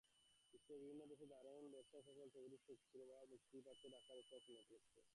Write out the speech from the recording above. বিশ্বের বিভিন্ন দেশে দারুণ ব্যবসাসফল ছবিটি শুক্রবার মুক্তি পাচ্ছে ঢাকায় স্টার সিনেপ্লেক্সে।